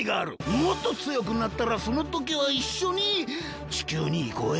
もっとつよくなったらそのときはいっしょにちきゅうにいこうや。